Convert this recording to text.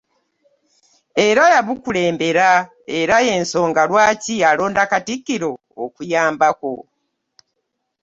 Era y'abukulembera era y'ensonga lwaki alonda Katikkiro okumuyambako